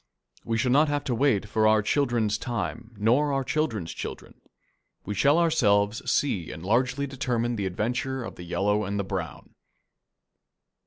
We shall not have to wait for our children's time nor our children's children. We shall ourselves see and largely determine the adventure of the Yellow and the Brown.